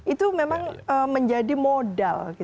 itu memang menjadi modal